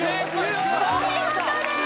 お見事です！